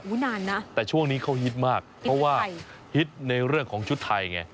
นานนะแต่ช่วงนี้เขาฮิตมากเพราะว่าฮิตในเรื่องของชุดไทยไง